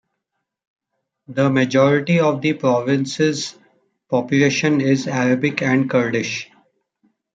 The majority of the province's population is Arabic and Kurdish.